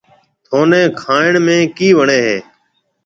ٿَني کائڻ ۾ ڪِي وڻيَ هيَ؟